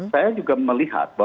saya juga melihat bob